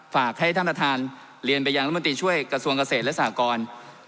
ฝากให้ท่านประธานเรียนไปยังรัฐมนตรีช่วยกระทรวงเกษตรและสากร